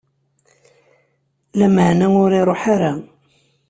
Lameɛna ur iṛuḥ ara.